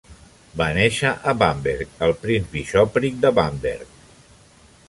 Va néixer a Bamberg, al Prince-Bishopric de Bamberg.